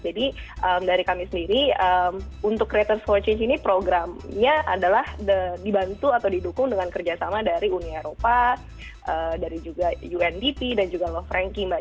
jadi dari kami sendiri untuk kreator for change ini programnya adalah dibantu atau didukung dengan kerjasama dari uni eropa dari juga undp dan juga love ranking mbak